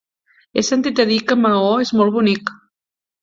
He sentit a dir que Maó és molt bonic.